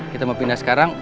kita mau pindah sekarang